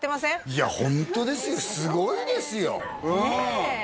いやホントですよすごいですよねえ